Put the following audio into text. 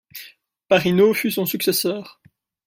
Parinaud fut son successeur.